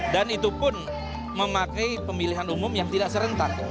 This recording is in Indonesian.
dan itu pun memakai pemilihan umum yang tidak serentak